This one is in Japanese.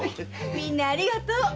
みんなありがとう。